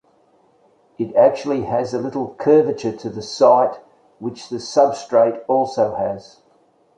It actually has a little curvature to the site which the substrate also has.